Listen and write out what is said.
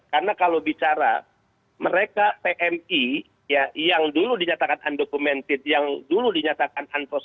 karena kalau bicara mereka pmi ya yang dulu dinyatakan undocumented yang dulu dinyatakan unproven